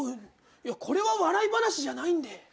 これは笑い話じゃないんで。